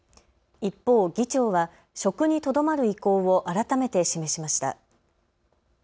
一方、議長は職にとどまる意向を改めて示しました。